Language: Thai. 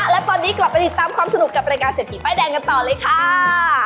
และตอนนี้กลับไปติดตามความสนุกกับรายการเศรษฐีป้ายแดงกันต่อเลยค่ะ